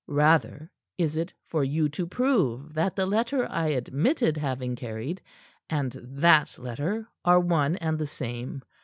Rather is it for you to prove that the letter I admitted having carried and that letter are one and the same.